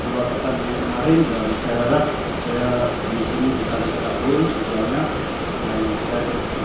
buat petang di hari kemarin dan saya harap saya bisa setakul semuanya